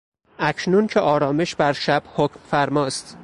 اکنون که آرامش بر شب حکفرماست